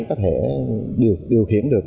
có thể điều khiển được